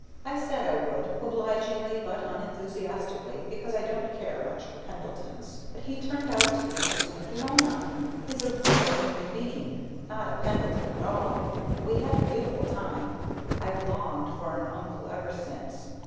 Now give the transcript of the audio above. I said I would, obligingly but unenthusiastically, because I don't care much for Pendletons. But he turned out to be a sweet lamb. He's a real human being not a Pendleton at all. We had a beautiful time; I've longed for an uncle ever since.